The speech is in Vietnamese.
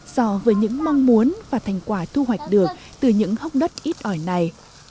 so với những mong muốn và thành quả thu hoạch được từ những hốc đất ít ỏi này